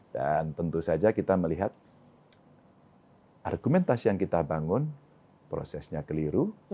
dan tentu saja kita melihat argumentasi yang kita bangun prosesnya keliru